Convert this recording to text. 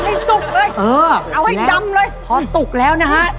สุกเลยเออเอาให้ดำเลยพอสุกแล้วนะฮะ